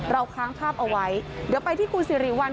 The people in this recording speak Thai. ค้างภาพเอาไว้เดี๋ยวไปที่คุณสิริวัล